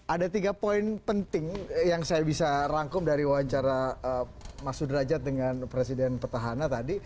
ada tiga poin penting yang saya bisa rangkum dari wawancara mas sudrajat dengan presiden petahana tadi